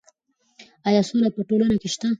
ایا سوله په ټولنه کې شته؟